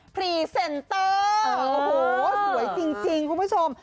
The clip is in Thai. พรีเซนเตอร์โอ้โหสวยจริงคุณผู้ชม